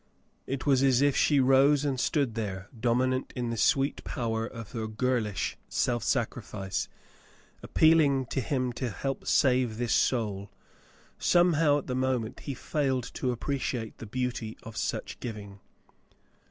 It was as if she rose and stood there, dominant in the sweet power of her girlish self sacrifice, appealing to him to help save this soul. Some how, at the moment, he failed to appreciate the beauty of such giving.